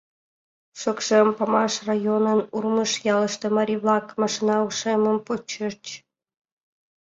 Шокшем Памаш районын Урмыж ялыште марий-влак машина ушемым почыч.